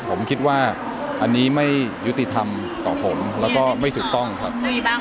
ผมคิดว่าอันนี้ไม่ยุติธรรมต่อผมแล้วก็ไม่ถูกต้องครับ